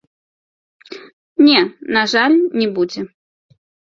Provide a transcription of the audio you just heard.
Не, на жаль, не будзе.